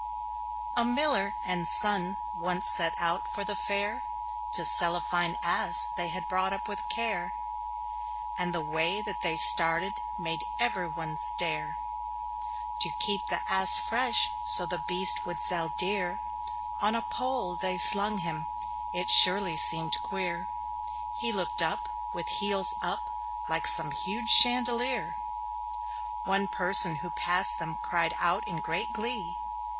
A Miller and Son once set out for the fair, To sell a fine ass they had brought up with care; And the way that they started made everyone stare. To keep the Ass fresh, so the beast would sell dear On a pole they slung him. It surely seemed queer: He looked, with heels up, like some huge chandelier. One person who passed them cried out in great glee.